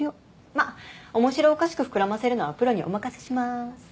まあ面白おかしく膨らませるのはプロにお任せしまーす